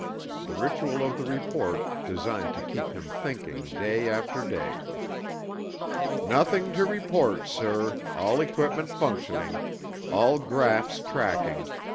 The ritual of the report, designed to keep him thinking, day after day. "Nothing to report, sir, all equipment functioning. All graphs tracking.